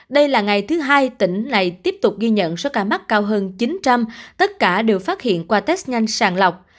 đây là ngày thứ hai tỉnh này tiếp tục ghi nhận số ca mắc cao hơn chín trăm linh tất cả đều phát hiện qua test nhanh sàng lọc